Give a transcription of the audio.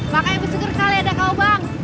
makanya bersyukur sekali ada kau bang